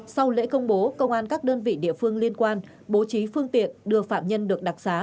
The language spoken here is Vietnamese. sau lễ công bố công an các đơn vị địa phương liên quan bố trí phương tiện đưa phạm nhân được đặc xá